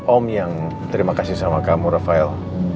om yang terima kasih sama kamu rafael